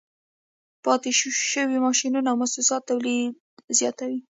پاتې شوي ماشینونه او موسسات تولید زیاتوي